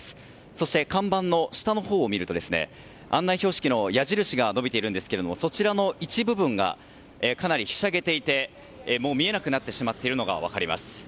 そして看板の下のほうを見ると案内標識の矢印が伸びていますがそちらの一部分がかなりひしゃげていて見えなくなってしまっているのが分かります。